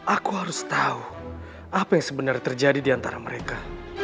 aku harus tahu apa yang sebenarnya terjadi diantara mereka